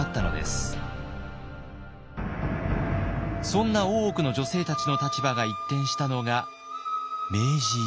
そんな大奥の女性たちの立場が一転したのが明治維新。